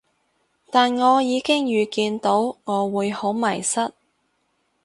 但我已經預見到我會好迷失